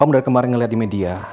om dari kemarin ngeliat di media